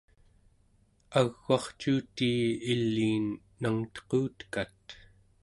au͡g'arcuutii iliin nangtequtekat